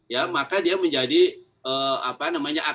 ya maka dia menjadi apa namanya